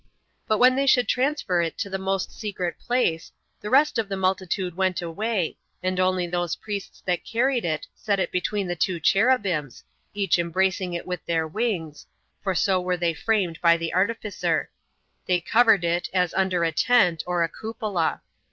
But when they should transfer it into the most secret place, the rest of the multitude went away, and only those priests that carried it set it between the two cherubims, which embracing it with their wings, [for so were they framed by the artificer,] they covered it, as under a tent, or a cupola.